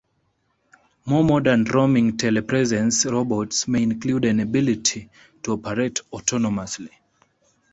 More modern roaming telepresence robots may include an ability to operate autonomously.